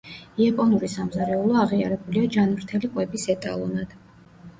იაპონური სამზარეულო აღიარებულია ჯანმრთელი კვების ეტალონად.